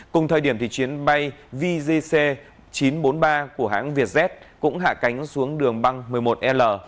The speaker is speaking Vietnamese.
cùng thời điểm thì chuyến bay vgc chín trăm bốn mươi ba của hãng việt z cũng hạ cánh xuống đường băng một mươi một l